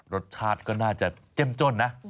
รสชาติก็น่าจะเจ้มจ้นนะ